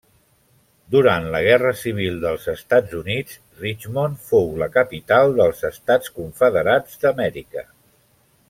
Durant la Guerra Civil dels Estats Units Richmond fou la capital dels Estats Confederats d'Amèrica.